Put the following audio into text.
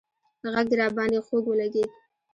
غږ دې راباندې خوږ ولگېد